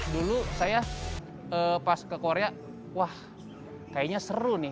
dulu saya pas ke korea wah kayaknya seru nih